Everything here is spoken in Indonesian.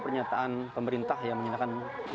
pernyataan pemerintah yang menyerahkan